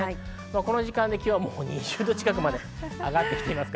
この時間で気温は２０度近くまで上がってきています。